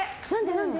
何で？